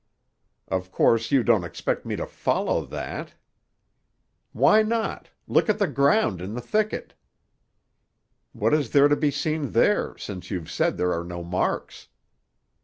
"Of course you don't expect me to follow that." "Why not? Look at the ground in the thicket." "What is there to be seen there, since you've said there are no marks?"